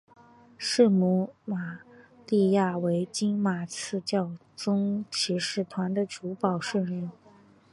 圣母玛利亚为金马刺教宗骑士团的主保圣人。